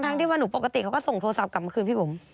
ที่ว่าหนูปกติเขาก็ส่งโทรศัพท์กลับมาคืนพี่บุ๋ม